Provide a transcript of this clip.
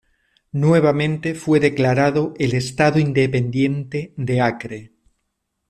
Nuevamente fue declarado el Estado Independiente de Acre.